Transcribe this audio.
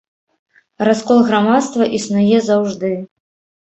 Раскол грамадства існуе заўжды.